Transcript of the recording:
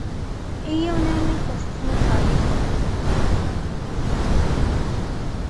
এ ইউনিয়নের প্রশাসনিক কার্যক্রম উপজেলার জোরারগঞ্জ থানার আওতাধীন।